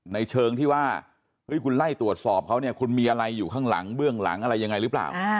ในเชิงที่ว่าคุณไล่ตรวจสอบเขาเนี่ยคุณมีอะไรอยู่ข้างหลังเบื้องหลังอะไรยังไงหรือเปล่า